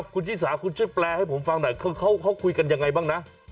คุณชิสาคุณช่วยแปลให้ผมฟังหน่อยคือเขาคุยกันยังไงบ้างนะ